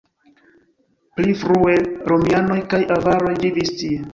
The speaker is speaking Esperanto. Pli frue romianoj kaj avaroj vivis tie.